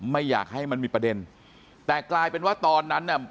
ไม่อยากให้มันมีประเด็นแต่กลายเป็นว่าตอนนั้นน่ะ